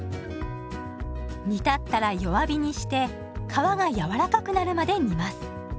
煮立ったら弱火にして皮が柔らかくなるまで煮ます。